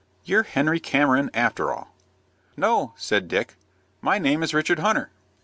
"You're Henry Cameron, after all." "No," said Dick; "my name is Richard Hunter."